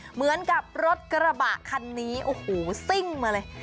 เหมือนกับรถกระบะคันนี้โอ้โหซิ่งมาเลย